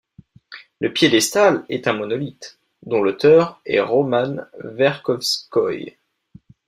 Le piédestal est un monolithe, dont l'auteur est Roman Verkhovskoï.